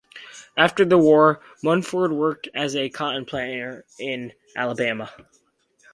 After the war, Munford worked as a cotton planter in Alabama.